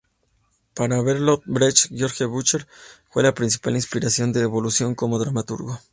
Para Bertolt Brecht Georg Büchner fue la principal inspiración de su evolución como dramaturgo.